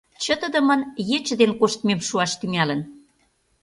Чытыдымын ече дене коштмем шуаш тӱҥалын.